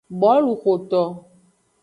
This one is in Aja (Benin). Boluxoto.